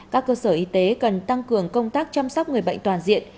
các cơ sở y tế cần tăng cường công tác chăm sóc người bệnh toàn diện